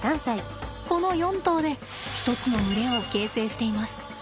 この４頭で一つの群れを形成しています。